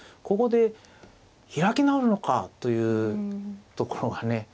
ここで開き直るのか！というところがね。